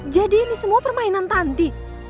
jadi ini semua permainan tanti